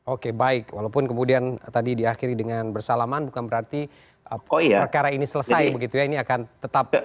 oke baik walaupun kemudian tadi diakhiri dengan bersalaman bukan berarti perkara ini selesai begitu ya ini akan tetap